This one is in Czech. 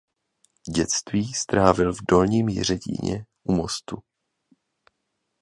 Dětství strávil v Dolním Jiřetíně u Mostu.